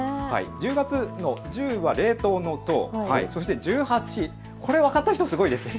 １０月の１０は、れいとうのとう、そして１８、これ、分かった人すごいです。